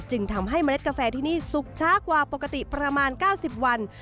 จึงทำให้เมล็ดกาแฟที่นี่สุกช้ากว่าปกติประมาณ๙๐วัน